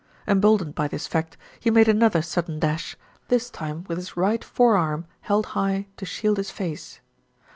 Emboldened by this fact, he made another sudden dash, this time with his right forearm held high to shield his face.